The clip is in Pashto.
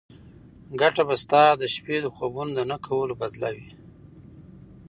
ګټه به ستا د شپې د خوبونو د نه کولو بدله وي.